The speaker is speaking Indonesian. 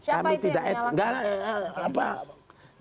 siapa itu yang menyalahkan